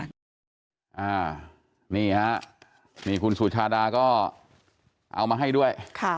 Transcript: นี่ฮะนี่คุณสุชาดาก็เอามาให้ด้วย